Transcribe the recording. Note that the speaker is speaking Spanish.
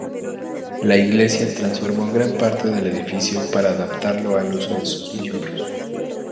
La iglesia transformó gran parte del edificio para adaptarlo al uso de sus miembros.